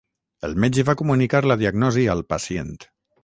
El metge va comunicar la diagnosi al pacient